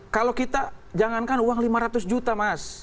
kalau kita jangankan uang lima ratus juta mas